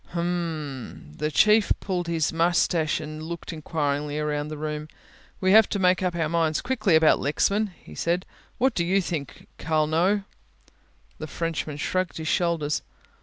"H'm," the Chief pulled at his moustache and looked enquiringly round the room, "we have to make up our minds very quickly about Lexman," he said. "What do you think, Carlneau?" The Frenchman shrugged his shoulders.